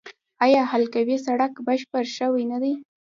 آیا حلقوي سړک بشپړ شوی دی؟